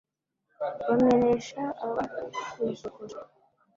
bamenesha ababasuzuguraga